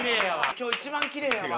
今日一番きれいやわ。